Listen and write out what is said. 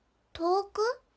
遠く？